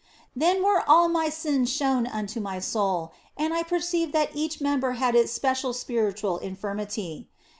Then were all my sins shown unto my soul, and I per ceived that each member had its special spiritual in firmity.